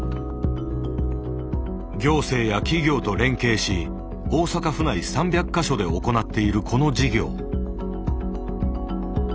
行政や企業と連携し大阪府内３００か所で行っているこの事業。